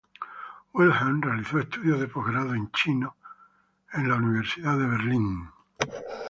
Wilhelm realizó estudios de postgrado en chino en la Universidad de Berlín.